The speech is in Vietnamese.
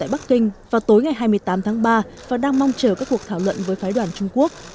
bắc kinh vào tối ngày hai mươi tám tháng ba và đang mong chờ các cuộc thảo luận với phái đoàn trung quốc